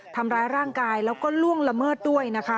ทำร้ายร่างกายแล้วก็ล่วงละเมิดด้วยนะคะ